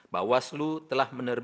membuat kesempatan yang menarik